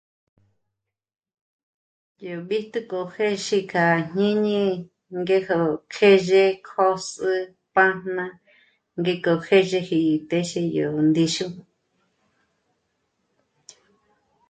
Yó b'íjtu k'o hë́zhi k'a jñíni ngéjo kjèzhe k'ö̀s'ü pájna ngéko hèzhejí të́zhe yó ndíxu